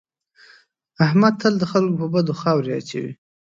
احمد تل د خلکو په بدو خاورې اچوي.